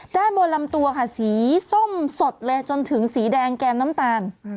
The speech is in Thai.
ด้านบนลำตัวค่ะสีส้มสดเลยจนถึงสีแดงแก้มน้ำตาล